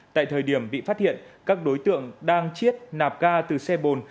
tại thời điểm bị phát hiện các đối tượng đang chiết nạp ga từ xe bồn